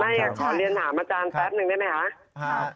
ขอเรียนถามอาจารย์แป๊บนึงได้ไหมคะ